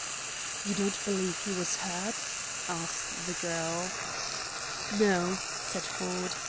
"You don't believe he was hurt?" asked the girl. "No," said Ford.